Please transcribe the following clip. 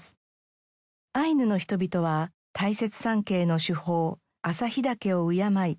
アイヌの人々は大雪山系の主峰旭岳を敬い